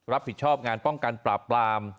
รับผิดชอบงานป้องกันปราบปราม